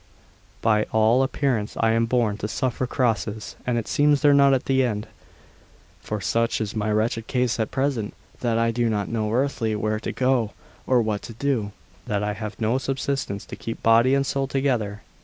"By all appearance I am born to suffer crosses, and it seems they're not at an end; for such is my wretched case at present, that I do not know earthly where to go or what to do, as I have no subsistence to keep body and soul together.